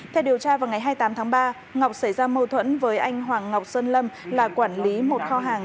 theo điều tra vào ngày hai mươi tám tháng ba ngọc xảy ra mâu thuẫn với anh hoàng ngọc sơn lâm là quản lý một kho hàng